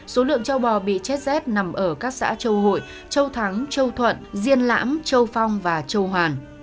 số lượng châu bò bị chết rét nằm ở các xã châu hội châu thắng châu thuận diên lãm châu phong và châu hoàn